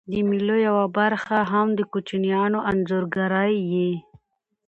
د مېلو یوه برخه هم د کوچنيانو انځورګرۍ يي.